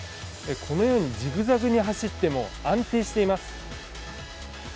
このようにジグザグに走っても、安定しています。